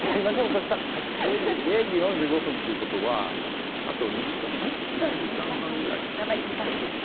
０時４５分ってことはあと１時間半くらい？